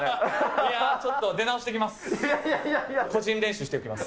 いやーちょっと出直してきます。